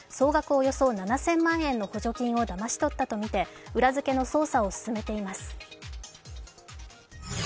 およそ７０００万円の補助金をだまし取ったとみて裏付けの捜査を進めています。